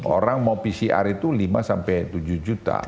orang mau pcr itu lima sampai tujuh juta